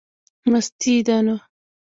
مستي یې ده نو.